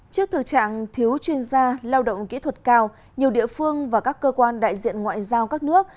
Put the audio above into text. trước thực trạng thiếu chuyên gia lao động kỹ thuật cao nhiều địa phương và các cơ quan đại diện ngoại giao các nước